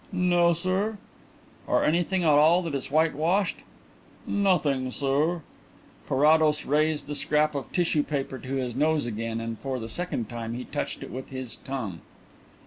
"No, sir." "Or anything at all that is whitewashed?" "Nothing, sir." Carrados raised the scrap of tissue paper to his nose again, and for the second time he touched it with his tongue.